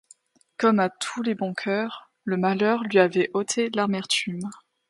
Comme à tous les bons coeurs, le malheur lui avait ôté l'amertume.